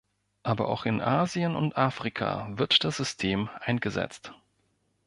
Aber auch in Asien und Afrika wird das System eingesetzt.